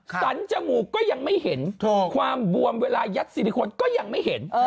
สันจมูกก็ยังไม่เห็นความบวมเวลายัดซิลิโคนก็ยังไม่เห็น